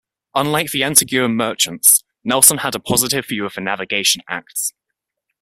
Unlike the Antiguan merchants, Nelson had a positive view of the Navigation Acts.